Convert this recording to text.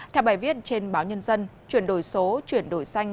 theo bài viết trên báo nhân dân chuyển đổi số chuyển đổi xanh